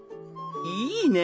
いいね！